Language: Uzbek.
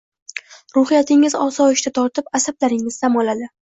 Ruhiyatingiz osoyishta tortib, asablaringiz dam oladi